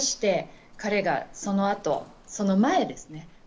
人として彼がそのあと、その前ですね。